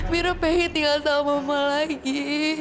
mira pengen tinggal sama mama lagi